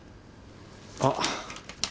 あっ。